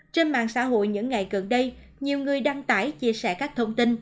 trên mạng xã hội những ngày gần đây nhiều người đăng tải chia sẻ các thông tin